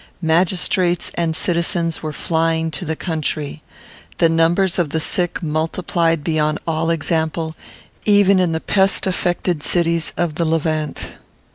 Magistrates and citizens were flying to the country. The numbers of the sick multiplied beyond all example; even in the pest affected cities of the Levant.